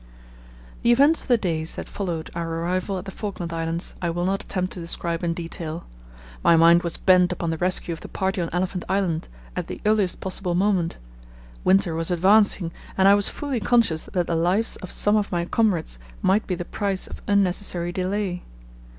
The events of the days that followed our arrival at the Falkland Islands I will not attempt to describe in detail. My mind was bent upon the rescue of the party on Elephant Island at the earliest possible moment. Winter was advancing, and I was fully conscious that the lives of some of my comrades might be the price of unnecessary delay.